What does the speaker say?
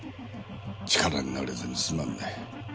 力になれずにすまんね。